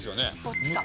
そっちか。